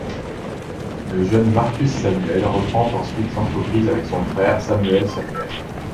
Le jeune Marcus Samuel reprend ensuite l'entreprise avec son frère, Samuel Samuel.